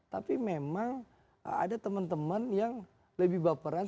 tapi memang ada teman teman yang lebih baperan